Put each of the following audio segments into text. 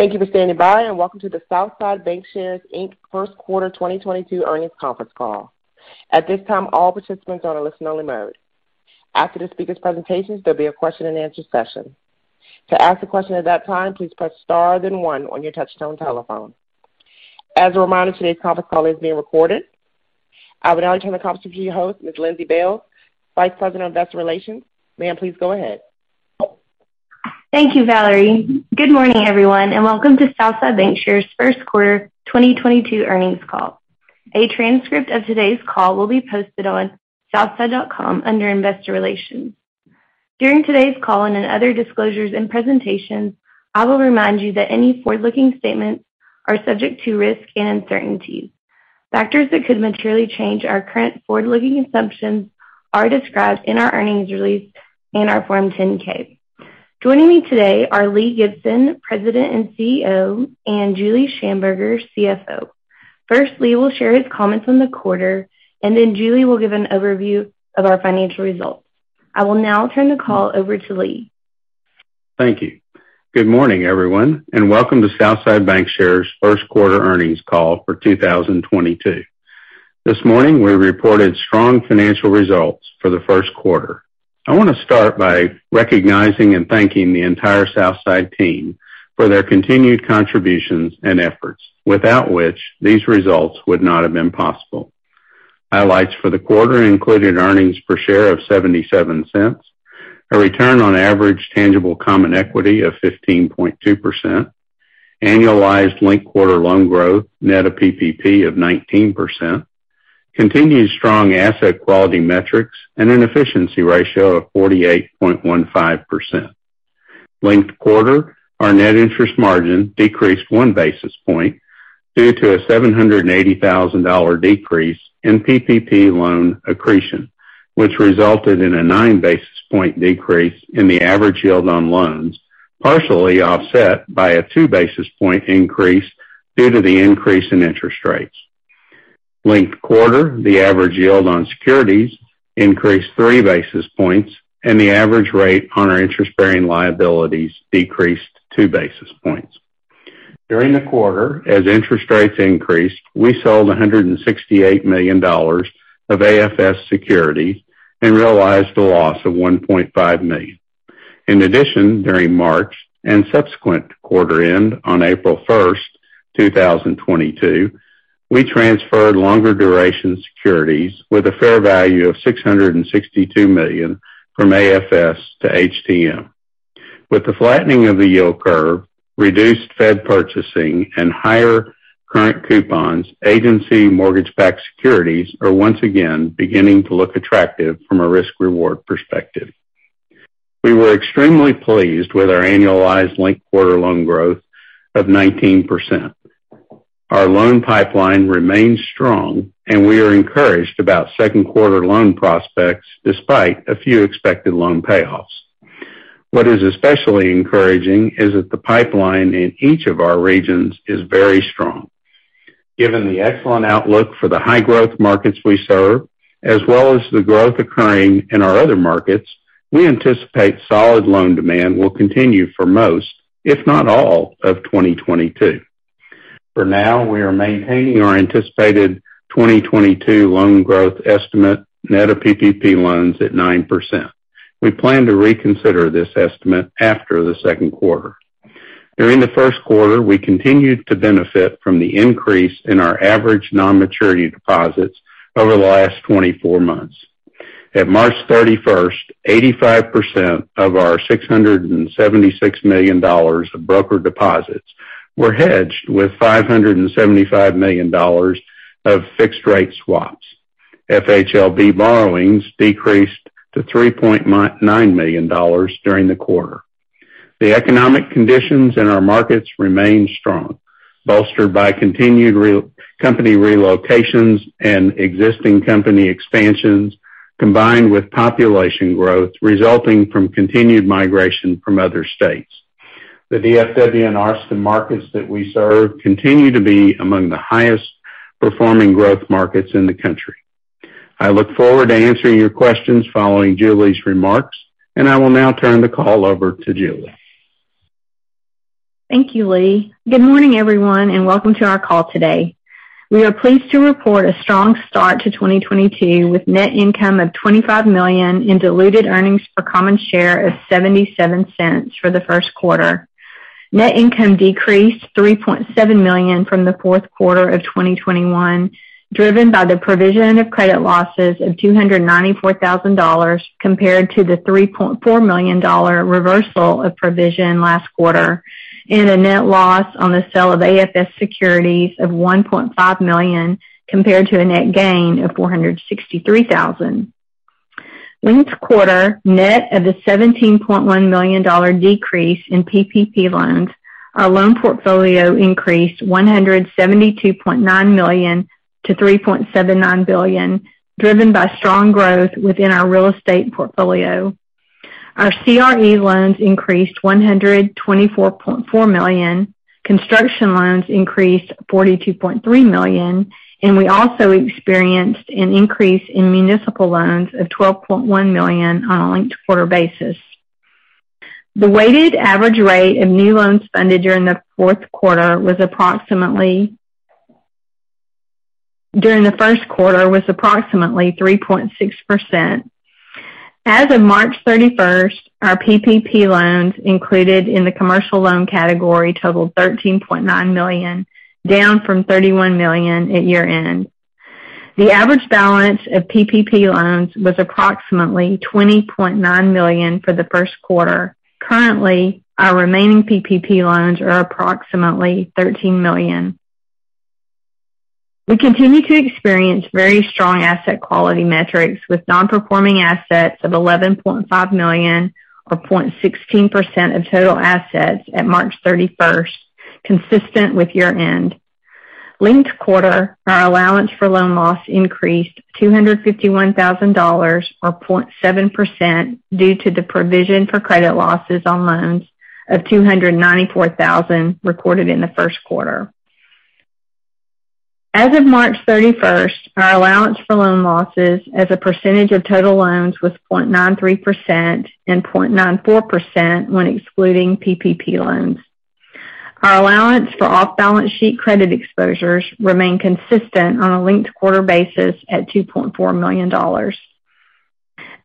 Thank you for standing by, and welcome to the Southside Bancshares, Inc. First Quarter 2022 Earnings Conference Call. At this time, all participants are in a listen-only mode. After the speaker's presentations, there'll be a question-and-answer session. To ask a question at that time, please press star then one on your touch-tone telephone. As a reminder, today's conference call is being recorded. I will now turn the conference to your host, Ms. Lindsey Bailes, Vice President of Investor Relations. Ma'am, please go ahead. Thank you, Valerie. Good morning, everyone, and welcome to Southside Bancshares first quarter 2022 earnings call. A transcript of today's call will be posted on southside.com under Investor Relations. During today's call and in other disclosures and presentations, I will remind you that any forward-looking statements are subject to risk and uncertainties. Factors that could materially change our current forward-looking assumptions are described in our earnings release and our Form 10-K. Joining me today are Lee Gibson, President and CEO, and Julie Shamburger, CFO. First, Lee will share his comments on the quarter, and then Julie will give an overview of our financial results. I will now turn the call over to Lee. Thank you. Good morning, everyone, and welcome to Southside Bancshares first quarter earnings call for 2022. This morning, we reported strong financial results for the first quarter. I want to start by recognizing and thanking the entire Southside team for their continued contributions and efforts, without which these results would not have been possible. Highlights for the quarter included earnings per share of $0.77, a return on average tangible common equity of 15.2%, annualized linked quarter loan growth net of PPP of 19%, continued strong asset quality metrics, and an efficiency ratio of 48.15%. Linked quarter, our net interest margin decreased 1 basis point due to a $780,000 decrease in PPP loan accretion, which resulted in a 9 basis point decrease in the average yield on loans, partially offset by a 2 basis point increase due to the increase in interest rates. Linked quarter, the average yield on securities increased 3 basis points, and the average rate on our interest-bearing liabilities decreased 2 basis points. During the quarter, as interest rates increased, we sold $168 million of AFS securities and realized a loss of $1.5 million. In addition, during March and subsequent quarter end on April 1st, 2022, we transferred longer duration securities with a fair value of $662 million from AFS to HTM. With the flattening of the yield curve, reduced Fed purchasing, and higher current coupons, agency mortgage-backed securities are once again beginning to look attractive from a risk-reward perspective. We were extremely pleased with our annualized linked quarter loan growth of 19%. Our loan pipeline remains strong, and we are encouraged about second quarter loan prospects despite a few expected loan payoffs. What is especially encouraging is that the pipeline in each of our regions is very strong. Given the excellent outlook for the high-growth markets we serve, as well as the growth occurring in our other markets, we anticipate solid loan demand will continue for most, if not all, of 2022. For now, we are maintaining our anticipated 2022 loan growth estimate net of PPP loans at 9%. We plan to reconsider this estimate after the second quarter. During the first quarter, we continued to benefit from the increase in our average non-maturity deposits over the last 24 months. At March 31st, 85% of our $676 million of broker deposits were hedged with $575 million of fixed rate swaps. FHLB borrowings decreased to $3.9 million during the quarter. The economic conditions in our markets remain strong, bolstered by continued company relocations and existing company expansions, combined with population growth resulting from continued migration from other states. The DFW and Austin markets that we serve continue to be among the highest performing growth markets in the country. I look forward to answering your questions following Julie's remarks, and I will now turn the call over to Julie. Thank you, Lee. Good morning, everyone, and welcome to our call today. We are pleased to report a strong start to 2022 with net income of $25 million and diluted earnings per common share of $0.77 for the first quarter. Net income decreased $3.7 million from the fourth quarter of 2021, driven by the provision of credit losses of $294,000 compared to the $3.4 million reversal of provision last quarter and a net loss on the sale of AFS securities of $1.5 million compared to a net gain of $463,000. Linked quarter, net of the $17.1 million decrease in PPP loans, our loan portfolio increased $172.9 million to $3.79 billion, driven by strong growth within our real estate portfolio. Our CRE loans increased $124.4 million, construction loans increased $42.3 million, and we also experienced an increase in municipal loans of $12.1 million on a linked quarter basis. The weighted average rate of new loans funded during the fourth quarter was approximately. During the first quarter was approximately 3.6%. As of March 31st, our PPP loans included in the commercial loan category totaled $13.9 million, down from $31 million at year-end. The average balance of PPP loans was approximately $20.9 million for the first quarter. Currently, our remaining PPP loans are approximately $13 million. We continue to experience very strong asset quality metrics with non-performing assets of $11.5 million or 0.16% of total assets at March 31st, consistent with year-end. Linked quarter, our allowance for loan losses increased $251,000 or 0.7% due to the provision for credit losses on loans of $294,000 recorded in the first quarter. As of March 31st, our allowance for loan losses as a percentage of total loans was 0.93% and 0.94% when excluding PPP loans. Our allowance for off-balance sheet credit exposures remain consistent on a linked quarter basis at $2.4 million.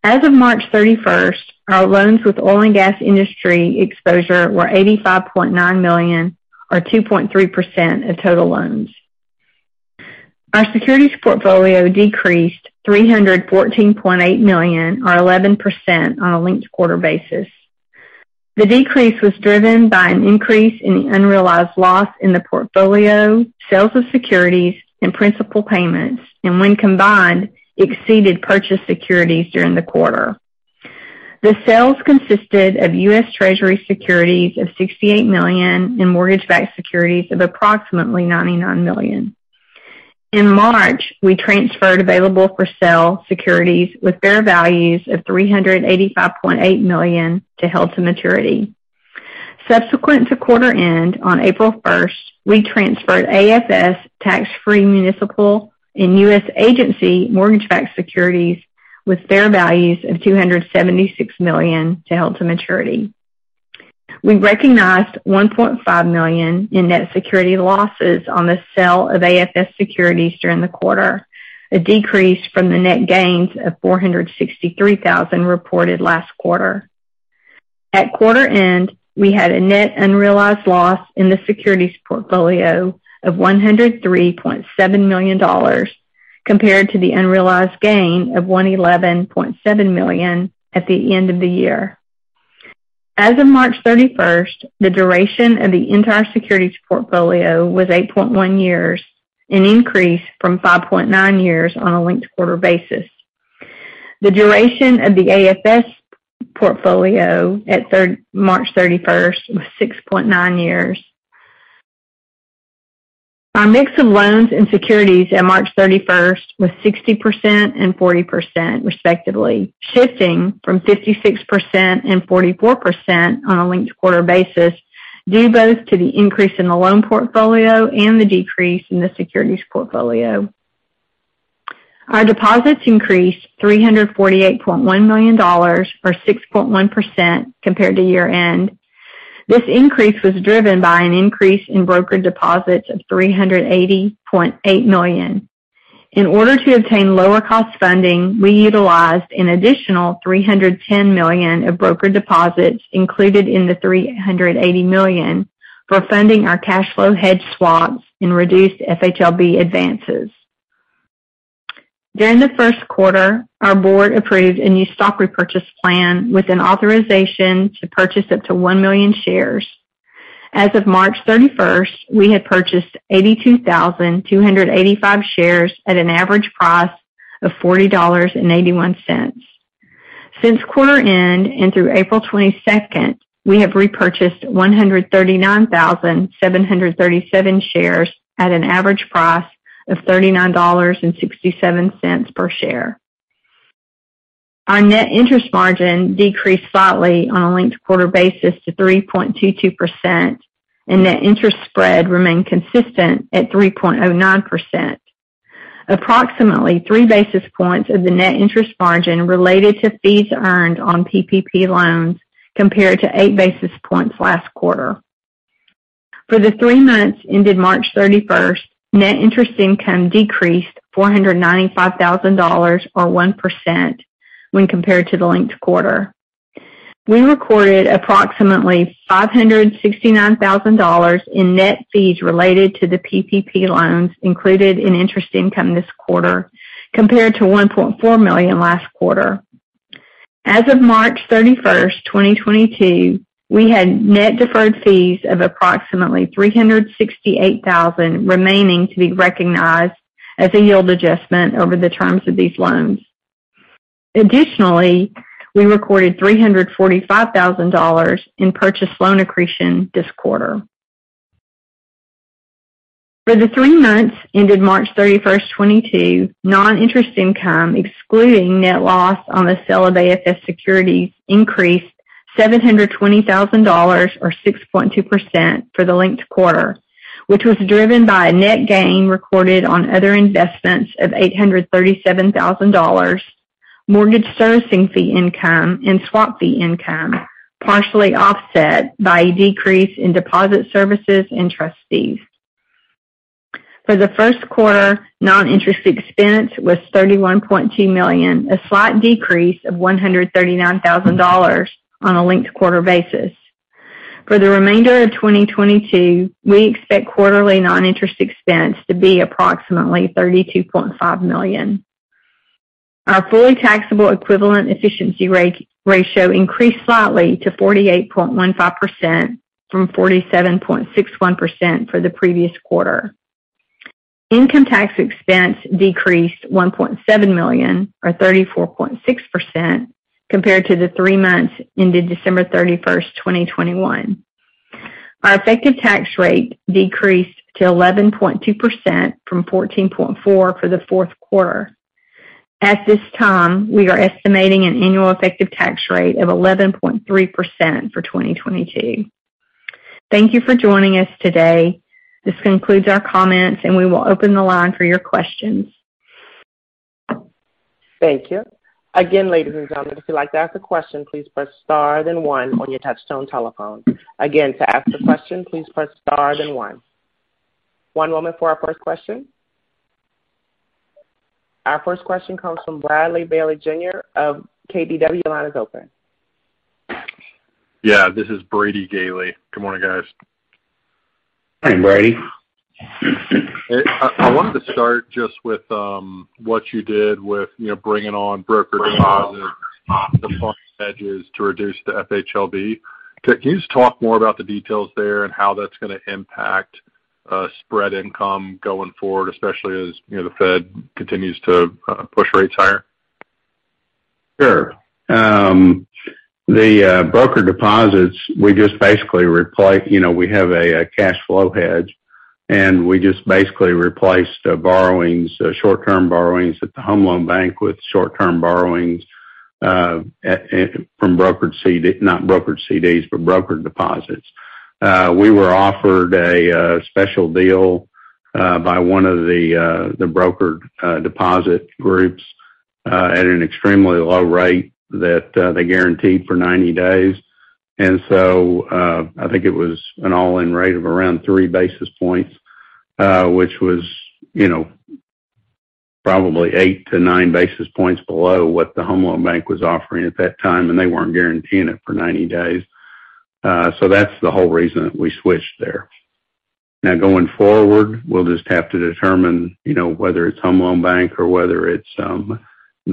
As of March 31st, our loans with oil and gas industry exposure were $85.9 million or 2.3% of total loans. Our securities portfolio decreased $314.8 million or 11% on a linked quarter basis. The decrease was driven by an increase in the unrealized loss in the portfolio, sales of securities and principal payments, and when combined, exceeded purchases of securities during the quarter. The sales consisted of U.S. Treasury securities of $68 million and mortgage-backed securities of approximately $99 million. In March, we transferred available for sale securities with fair values of $385.8 million to held to maturity. Subsequent to quarter end on April 1st, we transferred AFS tax-free municipal and U.S. agency mortgage-backed securities with fair values of $276 million to held to maturity. We recognized $1.5 million in net security losses on the sale of AFS securities during the quarter, a decrease from the net gains of $463,000 reported last quarter. At quarter end, we had a net unrealized loss in the securities portfolio of $103.7 million compared to the unrealized gain of $111.7 million at the end of the year. As of March 31st, the duration of the entire securities portfolio was 8.1 years, an increase from 5.9 years on a linked-quarter basis. The duration of the AFS portfolio at March 31st was 6.9 years. Our mix of loans and securities at March 31st was 60% and 40% respectively, shifting from 56% and 44% on a linked-quarter basis, due both to the increase in the loan portfolio and the decrease in the securities portfolio. Our deposits increased $348.1 million or 6.1% compared to year end. This increase was driven by an increase in brokered deposits of $380.8 million. In order to obtain lower cost funding, we utilized an additional $310 million of brokered deposits included in the $380 million for funding our cash flow hedge swaps and reduced FHLB advances. During the first quarter, our Board approved a new stock repurchase plan with an authorization to purchase up to 1 million shares. As of March 31st, we had purchased 82,285 shares at an average price of $40.81. Since quarter end and through April 22nd, we have repurchased 139,737 shares at an average price of $39.67 per share. Our net interest margin decreased slightly on a linked quarter basis to 3.22%, and net interest spread remained consistent at 3.09%. Approximately 3 basis points of the net interest margin related to fees earned on PPP loans compared to 8 basis points last quarter. For the three months ended March 31, net interest income decreased $495,000 or 1% when compared to the linked quarter. We recorded approximately $569,000 in net fees related to the PPP loans included in interest income this quarter compared to $1.4 million last quarter. As of March 31st, 2022, we had net deferred fees of approximately $368,000 remaining to be recognized as a yield adjustment over the terms of these loans. Additionally, we recorded $345,000 in purchase loan accretion this quarter. For the three months ended March 31st, 2022, non-interest income, excluding net loss on the sale of AFS securities, increased $720,000 or 6.2% for the linked quarter, which was driven by a net gain recorded on other investments of $837,000, mortgage servicing fee income and swap fee income, partially offset by a decrease in deposit services and trustees. For the first quarter, non-interest expense was $31.2 million, a slight decrease of $139,000 on a linked quarter basis. For the remainder of 2022, we expect quarterly non-interest expense to be approximately $32.5 million. Our fully taxable equivalent efficiency ratio increased slightly to 48.15% from 47.61% for the previous quarter. Income tax expense decreased $1.7 million or 34.6% compared to the three months ended December 31st, 2021. Our effective tax rate decreased to 11.2% from 14.4% for the fourth quarter. At this time, we are estimating an annual effective tax rate of 11.3% for 2022. Thank you for joining us today. This concludes our comments, and we will open the line for your questions. Thank you. Again, ladies and gentlemen, if you'd like to ask a question, please press star then one on your touch-tone telephone. Again, to ask a question, please press star then one. One moment for our first question. Our first question comes from Bradley Bailey Jr. of KBW. Your line is open. Yeah, this is Brady Gailey. Good morning, guys. Morning, Brady. I wanted to start just with what you did with, you know, bringing on broker deposits to reduce the FHLB. Can you just talk more about the details there and how that's going to impact spread income going forward, especially as the Fed continues to push rates higher? Sure. The broker deposits, we just basically replaced—you know, we have a cash flow hedge, and we just basically replaced the borrowings, the short-term borrowings at the Home Loan Bank with short-term borrowings at—from brokered CDs—not brokered CDs, but brokered deposits. We were offered a special deal by one of the broker deposit groups at an extremely low rate that they guaranteed for 90 days. I think it was an all-in rate of around 3 basis points, which was, you know, probably 8-9 basis points below what the Home Loan Bank was offering at that time, and they weren't guaranteeing it for 90 days. That's the whole reason we switched there. Now going forward, we'll just have to determine, you know, whether it's Federal Home Loan Bank or whether it's the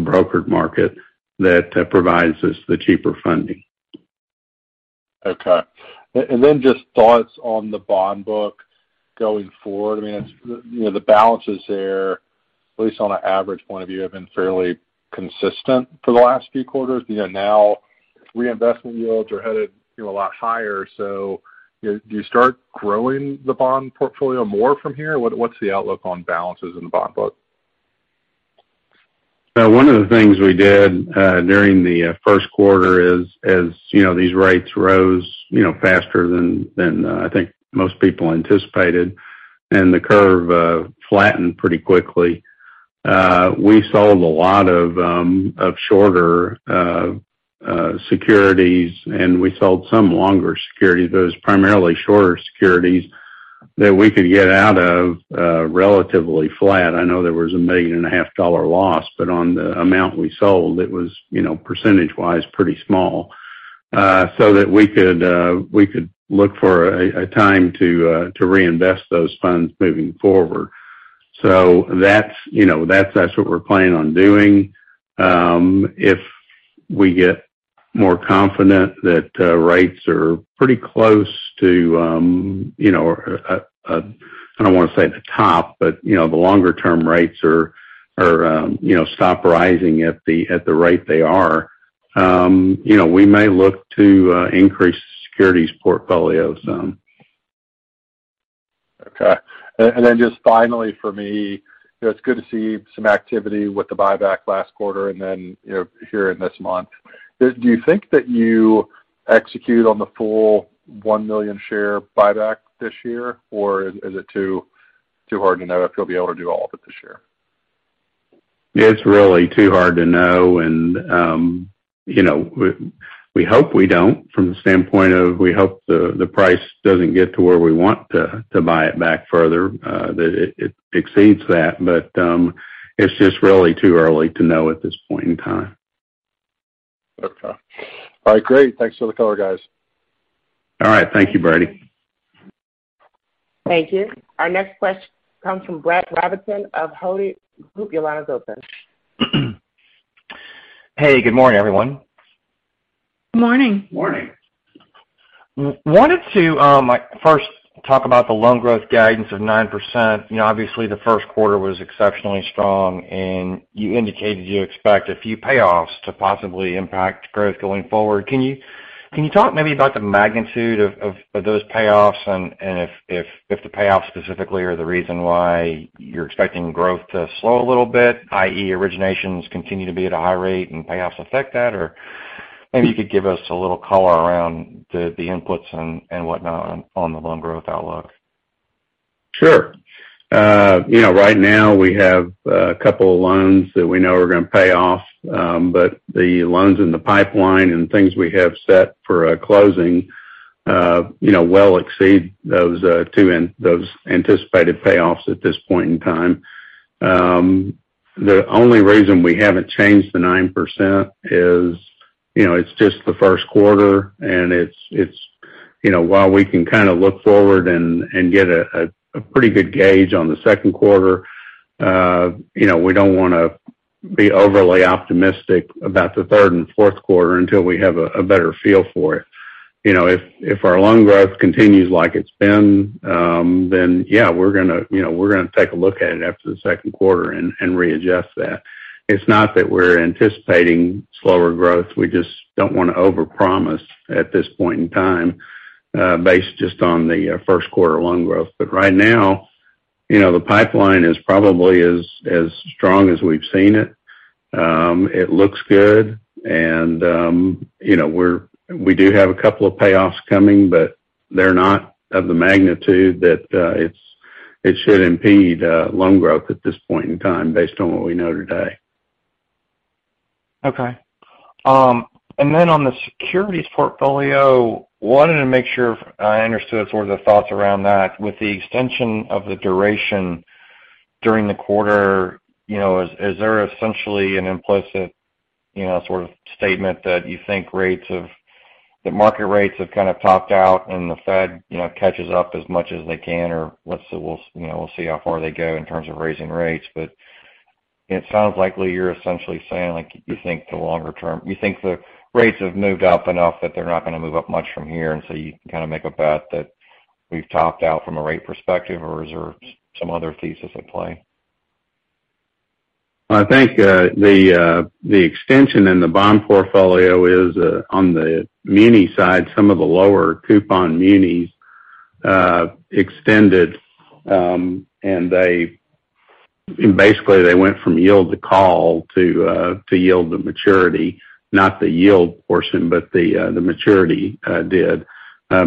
brokered market that provides us the cheaper funding. Okay. Then just thoughts on the bond book going forward. I mean, it's, you know, the balance is there, at least on an average point of view, have been fairly consistent for the last few quarters. You know, now reinvestment yields are headed, you know, a lot higher. Do you start growing the bond portfolio more from here? What's the outlook on balances in the bond book? One of the things we did during the first quarter is, as you know, these rates rose faster than I think most people anticipated and the curve flattened pretty quickly. We sold a lot of shorter securities and we sold some longer securities. It was primarily shorter securities that we could get out of relatively flat. I know there was a $1.5 million loss, but on the amount we sold, it was, you know, percentage-wise pretty small, so that we could look for a time to reinvest those funds moving forward. That's, you know, what we're planning on doing. If we get more confident that rates are pretty close to, you know, I don't want to say the top, but, you know, the longer-term rates are stop rising at the rate they are, you know, we may look to increase the securities portfolio some. Okay. Just finally for me, you know, it's good to see some activity with the buyback last quarter and then, you know, here in this month. Do you think that you execute on the full 1 million share buyback this year, or is it too hard to know if you'll be able to do all of it this year? It's really too hard to know and, you know, we hope we don't from the standpoint of we hope the price doesn't get to where we want to buy it back further, that it exceeds that. It's just really too early to know at this point in time. Okay. All right, great. Thanks for the color, guys. All right. Thank you, Brady. Thank you. Our next question comes from Brett Rabatin of Hovde Group. Your line is open. Hey, good morning, everyone. Morning. Morning. Wanted to first talk about the loan growth guidance of 9%. You know, obviously the first quarter was exceptionally strong, and you indicated you expect a few payoffs to possibly impact growth going forward. Can you talk maybe about the magnitude of those payoffs and if the payoffs specifically are the reason why you're expecting growth to slow a little bit, i.e., originations continue to be at a high rate and payoffs affect that? Or maybe you could give us a little color around the inputs and whatnot on the loan growth outlook. Sure. You know, right now we have a couple of loans that we know are going to pay off. But the loans in the pipeline and things we have set for a closing, you know, well exceed those anticipated payoffs at this point in time. The only reason we haven't changed the 9% is, you know, it's just the first quarter, and it's. You know, while we can kind of look forward and get a pretty good gauge on the second quarter, you know, we don't want to be overly optimistic about the third and fourth quarter until we have a better feel for it. You know, if our loan growth continues like it's been, then yeah, we're going to, you know, we're going to take a look at it after the second quarter and readjust that. It's not that we're anticipating slower growth. We just don't want to overpromise at this point in time, based just on the first quarter loan growth. Right now, you know, the pipeline is probably as strong as we've seen it. It looks good and, you know, we do have a couple of payoffs coming, but they're not of the magnitude that it should impede loan growth at this point in time based on what we know today. Okay. Then on the securities portfolio, wanted to make sure I understood sort of the thoughts around that. With the extension of the duration during the quarter, you know, is there essentially an implicit, you know, sort of statement that market rates have kind of topped out and the Fed, you know, catches up as much as they can? Or let's see, you know, we'll see how far they go in terms of raising rates. It sounds like, Lee, you're essentially saying, like, you think the rates have moved up enough that they're not going to move up much from here, and so you can kind of make a bet that we've topped out from a rate perspective, or is there some other thesis at play? I think the extension in the bond portfolio is on the muni side. Some of the lower coupon munis extended, and basically they went from yield to call to yield to maturity. Not the yield portion, but the maturity did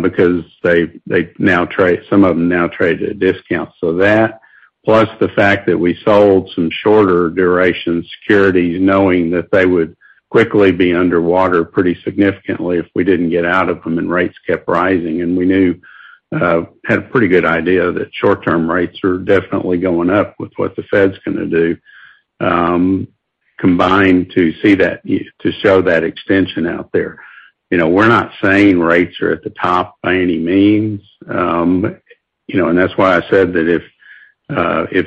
because they now trade, some of them now trade at a discount. That, plus the fact that we sold some shorter duration securities knowing that they would quickly be underwater pretty significantly if we didn't get out of them and rates kept rising. We had a pretty good idea that short-term rates are definitely going up with what the Fed's going to do, combined to show that extension out there. You know, we're not saying rates are at the top by any means. That's why I said that if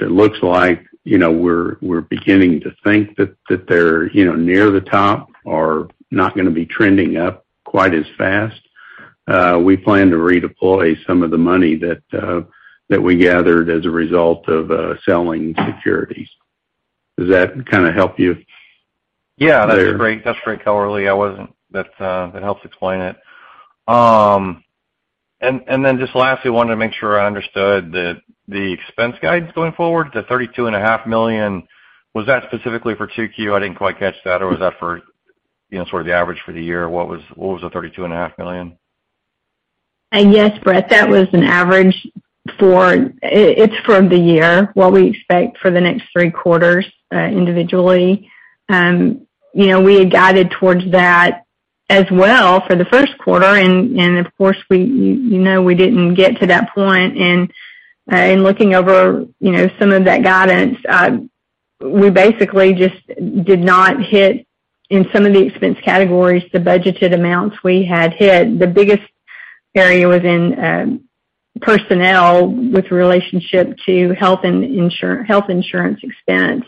it looks like, you know, we're beginning to think that they're, you know, near the top or not going to be trending up quite as fast, we plan to redeploy some of the money that we gathered as a result of selling securities. Does that kind of help you there? Yeah. That's a great color, Lee. That helps explain it. And then just lastly, I wanted to make sure I understood the expense guidance going forward, the $32.5 million. Was that specifically for 2Q? I didn't quite catch that. Or was that for, you know, sort of the average for the year? What was the $32.5 million? Yes, Brett, that was an average. It's for the year, what we expect for the next three quarters, individually. You know, we had guided towards that as well for the first quarter, and of course, we, you know, we didn't get to that point. In looking over, you know, some of that guidance, we basically just did not hit, in some of the expense categories, the budgeted amounts we had hit. The biggest area was in personnel with relationship to health insurance expense.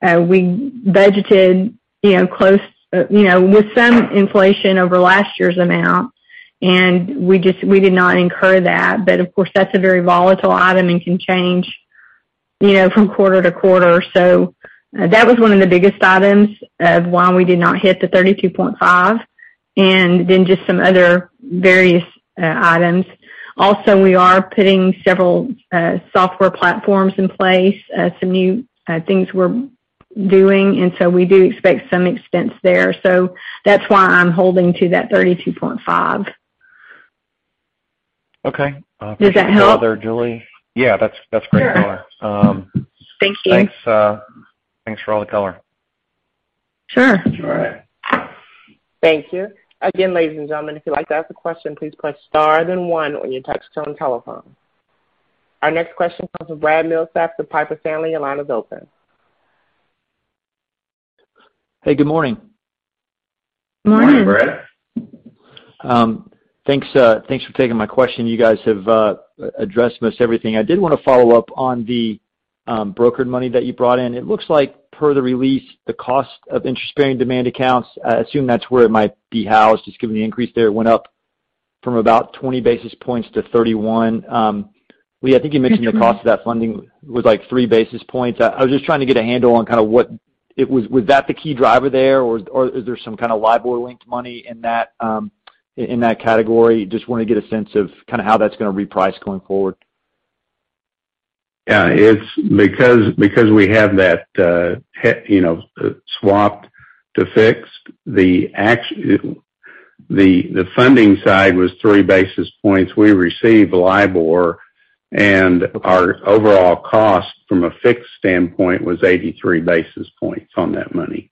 We budgeted, you know, close, you know, with some inflation over last year's amount, and we just, we did not incur that. But of course, that's a very volatile item and can change, you know, from quarter-to-quarter. That was one of the biggest items of why we did not hit the $32.5 million, and then just some other various items. Also, we are putting several software platforms in place, some new things we're doing, and so we do expect some expense there. That's why I'm holding to that $32.5 million. Okay. Does that help? Further, Julie. Yeah. That's great color. Sure. Thank you. Thanks for all the color. Sure. All right. Thank you. Again, ladies and gentlemen, if you'd like to ask a question, please press star then one on your touch-tone telephone. Our next question comes from Brad Milsaps of Piper Sandler. Your line is open. Hey, good morning. Morning. Morning, Brad. Thanks, thanks for taking my question. You guys have addressed most everything. I did want to follow up on the brokered money that you brought in. It looks like per the release, the cost of interest-bearing demand accounts, I assume that's where it might be housed, just given the increase there. It went up from about 20 basis points to 31 basis points. Lee, I think you mentioned the cost of that funding was, like, 3 basis points. I was just trying to get a handle on kind of what it was. Was that the key driver there or is there some kind of LIBOR-linked money in that category? Just want to get a sense of kind of how that's going to reprice going forward. Yeah, it's because we have that, you know, swapped to fixed. The funding side was 3 basis points. We received LIBOR, and our overall cost from a fixed standpoint was 83 basis points on that money.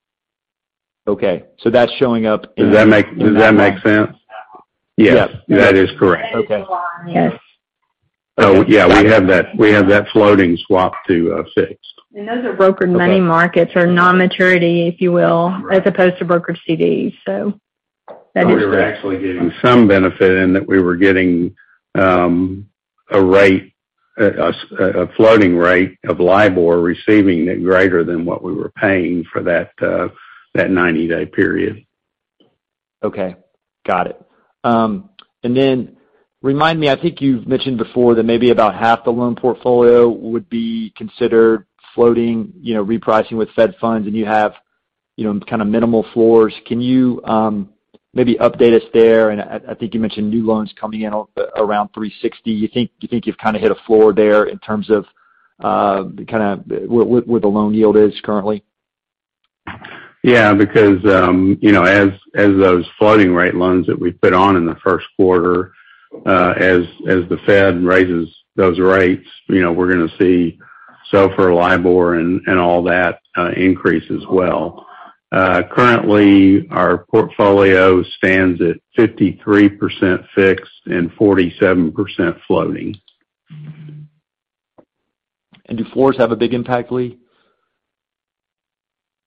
Okay, that's showing up in- Does that make sense? Yeah. Yes, that is correct. Okay. Yeah, we have that floating swap to fixed. Those are brokered money markets or non-maturity, if you will, as opposed to brokered CDs. That is- We were actually getting some benefit in that we were getting a floating rate of LIBOR receiving it greater than what we were paying for that 90-day period. Okay, got it. Remind me, I think you've mentioned before that maybe about half the loan portfolio would be considered floating, you know, repricing with Fed funds and you have, you know, kind of minimal floors. Can you maybe update us there? I think you mentioned new loans coming in around 360. You think you've kind of hit a floor there in terms of kind of where the loan yield is currently? Because, you know, as those floating rate loans that we put on in the first quarter, as the Fed raises those rates, you know, we're going to see SOFR, LIBOR, and all that increase as well. Currently, our portfolio stands at 53% fixed and 47% floating. Do floors have a big impact, Lee?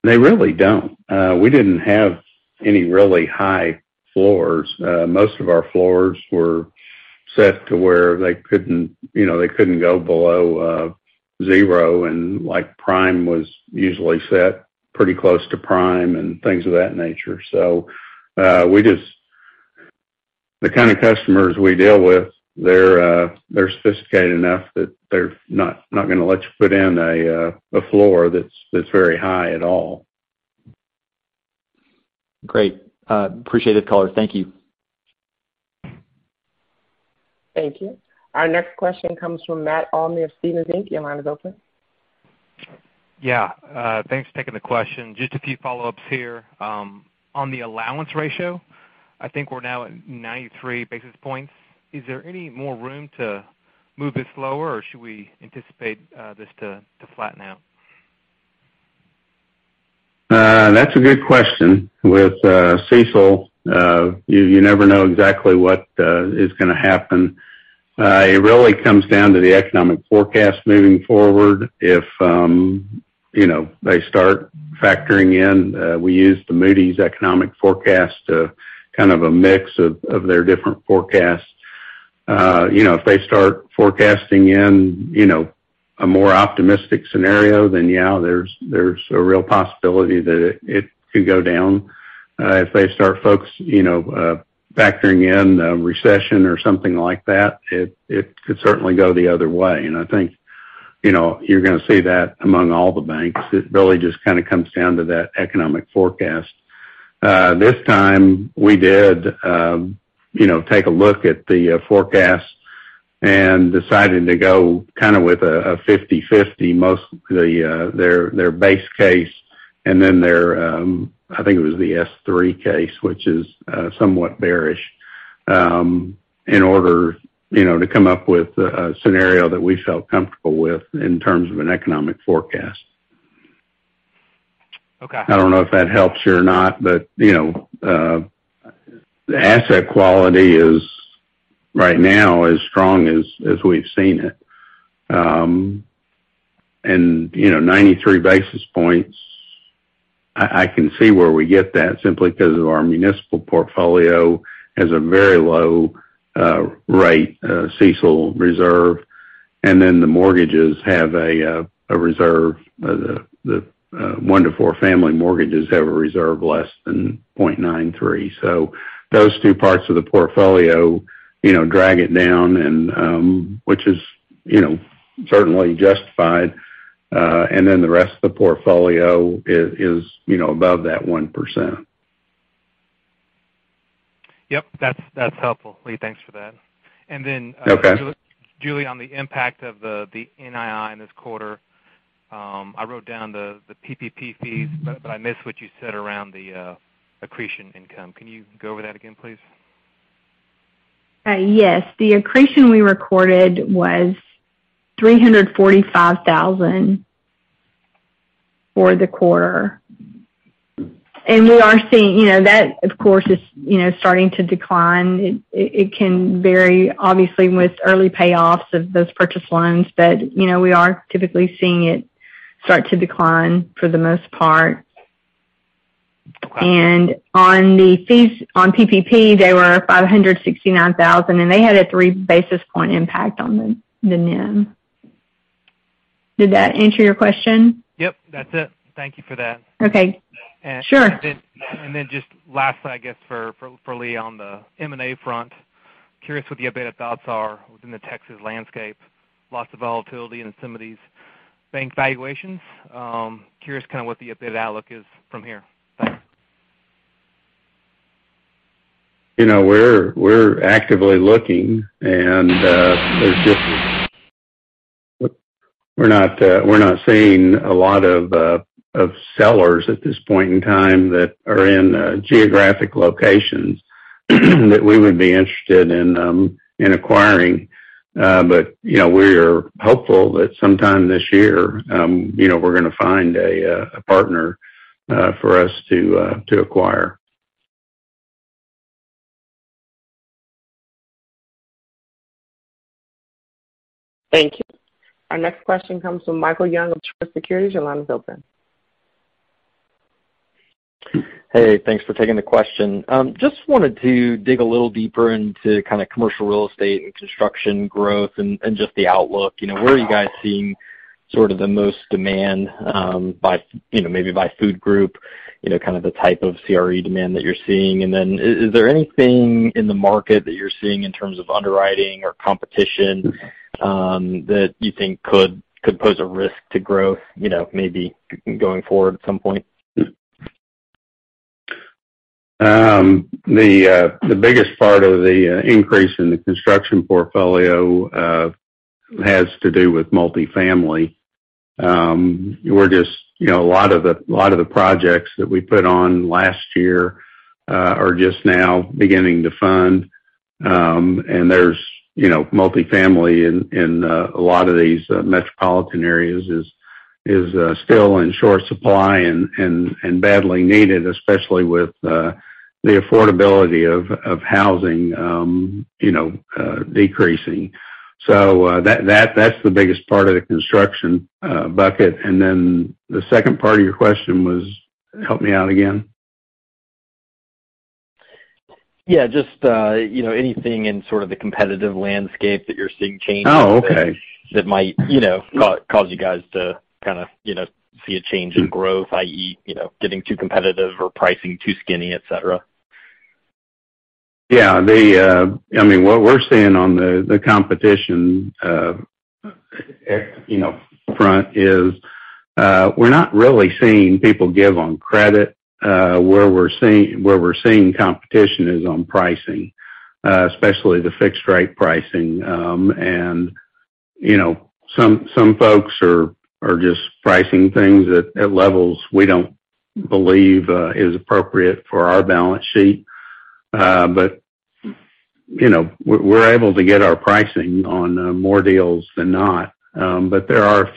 They really don't. We didn't have any really high floors. Most of our floors were set to where they couldn't, you know, they couldn't go below zero, and like prime was usually set pretty close to prime and things of that nature. The kind of customers we deal with, they're sophisticated enough that they're not going to let you put in a floor that's very high at all. Great. Appreciate the color. Thank you. Thank you. Our next question comes from Matt Olney of Stephens Inc. Your line is open. Yeah. Thanks for taking the question. Just a few follow-ups here. On the allowance ratio, I think we're now at 93 basis points. Is there any more room to move this lower, or should we anticipate this to flatten out? That's a good question. With CECL, you never know exactly what is going to happen. It really comes down to the economic forecast moving forward. If you know, they start factoring in, we use the Moody's economic forecast, kind of a mix of their different forecasts. You know, if they start forecasting in a more optimistic scenario, then yeah, there's a real possibility that it could go down. If they start factoring in a recession or something like that, it could certainly go the other way. I think, you know, you're going to see that among all the banks. It really just kind of comes down to that economic forecast. This time we did, you know, take a look at the forecast and decided to go kind of with a 50/50, most of their base case and then I think it was the S3 case, which is somewhat bearish, in order, you know, to come up with a scenario that we felt comfortable with in terms of an economic forecast. Okay. I don't know if that helps you or not, but, you know, the asset quality is right now as strong as we've seen it. You know, 93 basis points, I can see where we get that simply because of our municipal portfolio has a very low rate CECL reserve, and then the mortgages have a reserve, the one to four family mortgages have a reserve less than 0.93%. So those two parts of the portfolio, you know, drag it down and which is, you know, certainly justified. Then the rest of the portfolio is, you know, above that 1%. Yes. That's helpful, Lee. Thanks for that. Okay. Julie, on the impact of the NII in this quarter, I wrote down the PPP fees, but I missed what you said around the accretion income. Can you go over that again, please? Yes. The accretion we recorded was $345,000 for the quarter. We are seeing, you know, that, of course, is, you know, starting to decline. It can vary obviously with early payoffs of those purchase loans. You know, we are typically seeing it start to decline for the most part. On the fees on PPP, they were $569,000, and they had a 3 basis point impact on the NIM. Did that answer your question? Yes, that's it. Thank you for that. Okay. Sure. Just lastly, I guess for Lee on the M&A front, curious what the updated thoughts are within the Texas landscape. Lots of volatility in some of these bank valuations. Curious kind of what the updated outlook is from here. Thanks. You know, we're actively looking and we're not seeing a lot of sellers at this point in time that are in geographic locations that we would be interested in acquiring. You know, we are hopeful that sometime this year, you know, we're going to find a partner for us to acquire. Thank you. Our next question comes from Michael Young of Truist Securities. Your line is open. Hey, thanks for taking the question. Just wanted to dig a little deeper into kind of commercial real estate and construction growth and just the outlook. You know, where are you guys seeing sort of the most demand, by, you know, maybe by product group, you know, kind of the type of CRE demand that you're seeing? Is there anything in the market that you're seeing in terms of underwriting or competition, that you think could pose a risk to growth, you know, maybe going forward at some point? The biggest part of the increase in the construction portfolio has to do with multifamily. We're just you know, a lot of the projects that we put on last year are just now beginning to fund. There's you know, multifamily in a lot of these metropolitan areas is still in short supply and badly needed, especially with the affordability of housing you know decreasing. That's the biggest part of the construction bucket. Then the second part of your question was? Help me out again. Yeah, just, you know, anything in sort of the competitive landscape that you're seeing change? Oh, okay. That might, you know, because you guys to kind of, you know, see a change in growth, i.e., you know, getting too competitive or pricing too skinny, et cetera. Yeah. I mean, what we're seeing on the competition front is, we're not really seeing people give on credit. Where we're seeing competition is on pricing, especially the fixed rate pricing. Some folks are just pricing things at levels we don't believe is appropriate for our balance sheet. We're able to get our pricing on more deals than not. There are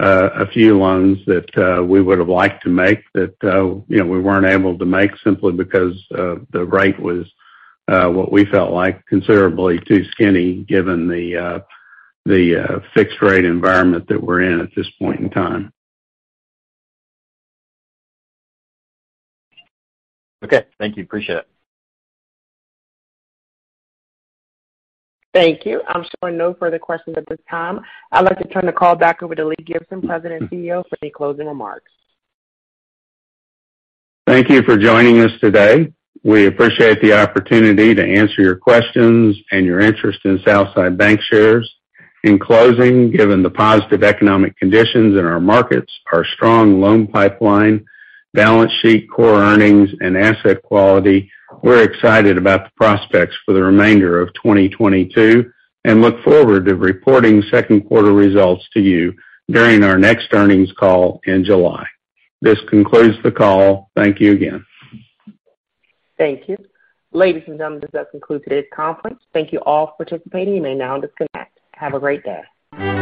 a few loans that we would've liked to make that you know, we weren't able to make simply because the rate was what we felt like considerably too skinny given the fixed rate environment that we're in at this point in time. Okay. Thank you. Appreciate it. Thank you. I'm showing no further questions at this time. I'd like to turn the call back over to Lee Gibson, President and CEO, for any closing remarks. Thank you for joining us today. We appreciate the opportunity to answer your questions and your interest in Southside Bancshares. In closing, given the positive economic conditions in our markets, our strong loan pipeline, balance sheet, core earnings, and asset quality, we're excited about the prospects for the remainder of 2022 and look forward to reporting second quarter results to you during our next earnings call in July. This concludes the call. Thank you again. Thank you. Ladies and gentlemen, this does conclude today's conference. Thank you all for participating. You may now disconnect. Have a great day.